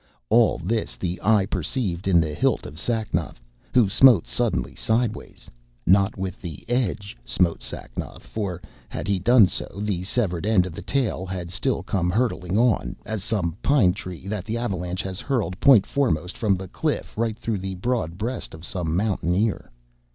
All this the eye perceived in the hilt of Sacnoth, who smote suddenly sideways. Not with the edge smote Sacnoth, for, had he done so, the severed end of the tail had still come hurtling on, as some pine tree that the avalanche has hurled point foremost from the cliff right through the broad breast of some mountaineer.